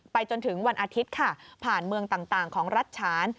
จนถึงวันอาทิตย์ค่ะผ่านเมืองต่างของรัฐฉาน